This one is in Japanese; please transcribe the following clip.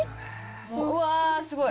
うわー、すごい。